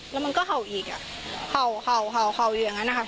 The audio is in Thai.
แล้วมันก็เห่าอีกอ่ะเห่าเห่าเห่าเห่าอยู่อย่างงั้นนะคะ